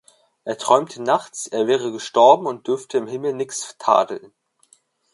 Er träumt nachts, er wäre gestorben und dürfe im Himmel nichts tadeln.